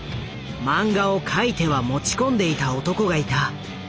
漫画を描いては持ち込んでいた男がいた。